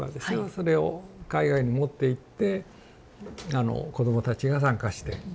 それを海外に持っていって子どもたちが参加して。